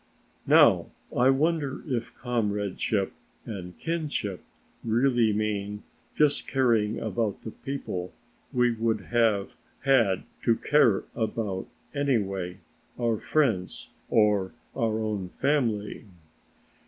"Now I wonder if comradeship and kinship really mean just caring about the people we would have had to care about anyway, our own friends or our own family?"